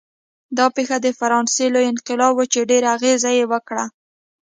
دا پېښه د فرانسې لوی انقلاب و چې ډېر یې اغېز وکړ.